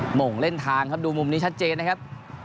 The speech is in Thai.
หม่งเล่นทางครับดูมุมนี้ชัดเจนนะครับ